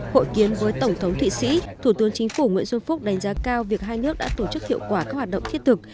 hội kiến với tổng thống thụy sĩ thủ tướng chính phủ nguyễn xuân phúc đánh giá cao việc hai nước đã tổ chức hiệu quả các hoạt động thiết thực